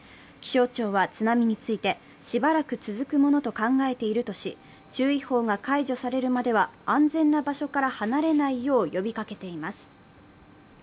気象庁は津波についてしばらく続くものと考えているとし注意報が解除されるまでは安全な場所から離れないよう呼びかけています。